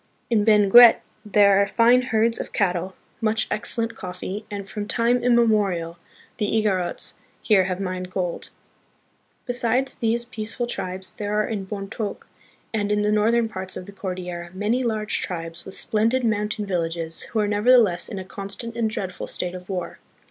In Benguet there are fine herds of cattle, much excellent coffee, and from time immemorial the Igorots here have mined gold. Besides these peaceful tribes there are in Bontok, and in the northern parts of the Cordillera, many large tribes, with splendid mountain villages, who are nevertheless in a constant and dreadful state of war.